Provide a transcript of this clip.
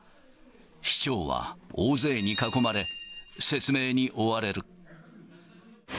市長は大勢に囲まれ、説明に追われる。